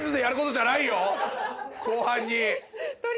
後半に。